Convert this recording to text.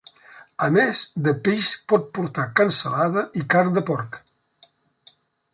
A més de peix pot portar cansalada i carn de porc.